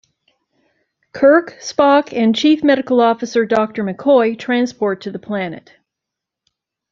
Kirk, Spock, and Chief Medical Officer Doctor McCoy transport to the planet.